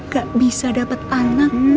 ga bisa dapet anakmu